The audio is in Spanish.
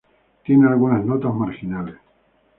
Tiene algunas notas marginales.